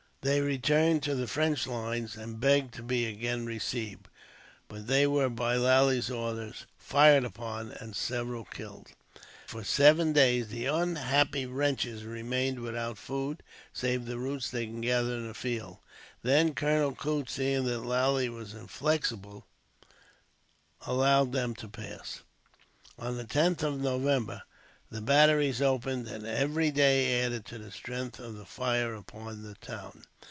They returned to the French lines, and begged to be again received; but they were, by Lally's orders, fired upon, and several killed. For seven days the unhappy wretches remained without food, save the roots they could gather in the fields. Then Colonel Coote, seeing that Lally was inflexible, allowed them to pass. On the 10th of November the batteries opened, and every day added to the strength of the fire upon the town.